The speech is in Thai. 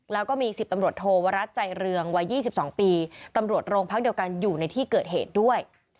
แล้วก็มี๑๐ตำรวจโทวรัฐใจเรืองวัย๒๒ปีตำรวจโรงพักเดียวกันอยู่ในที่เกิดเหตุด้วย